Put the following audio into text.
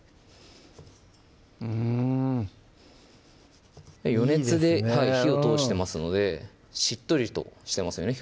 うん余熱で火を通してますのでしっとりとしてますよね